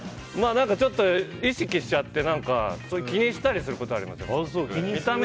ちょっと意識しちゃって気にしたりすることはあります。